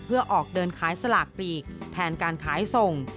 เพื่อออกเดินขายสลากปลีกแทนการขายส่ง